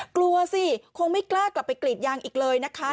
กลัวสิคงไม่กล้ากลับไปกรีดยางอีกเลยนะคะ